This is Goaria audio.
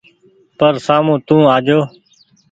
پر سآمو تو آجو ۔